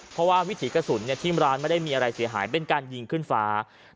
เพราะว่าวิถีกระสุนที่ร้านไม่ได้มีอะไรเสียหายเป็นการยิงขึ้นฟ้า